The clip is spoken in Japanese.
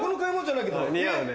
似合うね。